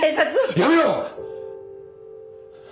やめろ！